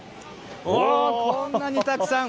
おー、こんなにたくさん。